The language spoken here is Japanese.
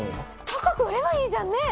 高く売ればいいじゃんねぇ？